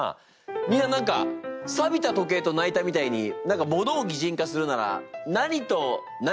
みんな何か「びた時計と泣いた」みたいに何か物を擬人化するなら何と何をするかな？